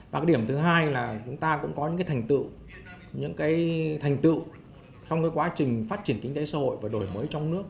và cái điểm thứ hai là chúng ta cũng có những cái thành tựu những cái thành tựu trong cái quá trình phát triển kinh tế xã hội và đổi mới trong nước